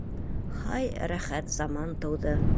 Һай, рәхәт заман тыуҙы!